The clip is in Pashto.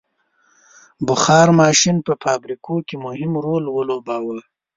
• بخار ماشین په فابریکو کې مهم رول ولوباوه.